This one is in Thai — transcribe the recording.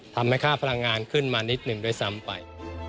ทำให้ค่าพลังงานขึ้นมานิดหนึ่งด้วยซ้ำไป